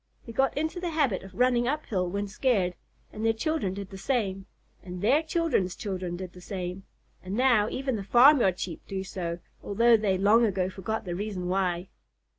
They got into the habit of running up hill when scared, and their children did the same, and their children's children did the same, and now even the farmyard Sheep do so, although they long ago forgot the reason why.